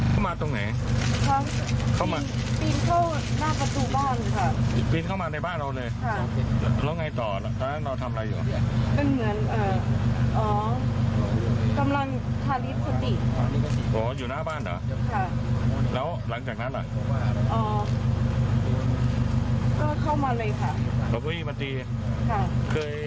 เคยมีเรื่องบะปรากลับบอกมั้ย